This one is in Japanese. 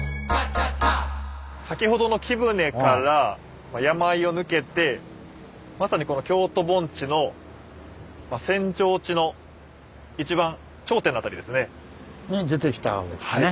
先ほどの貴船から山あいを抜けてまさにこの京都盆地の扇状地の一番頂点の辺りですね。に出てきたわけですね。